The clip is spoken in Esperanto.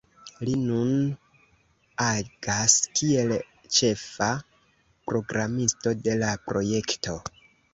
Li nun agas kiel ĉefa programisto de la projekto.